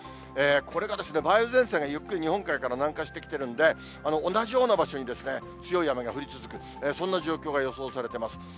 これが梅雨前線がゆっくり日本海から南下してきてるんで、同じような場所に強い雨が降り続く、そんな状況が予想されてます。